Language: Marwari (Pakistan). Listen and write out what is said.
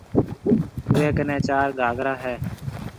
اوَي ڪنَي چار گھاگرا هيَ